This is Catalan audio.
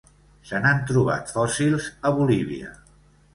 Se n'han trobat fòssils a Bolívia.